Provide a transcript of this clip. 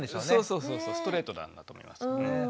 そうそうストレートなんだと思います。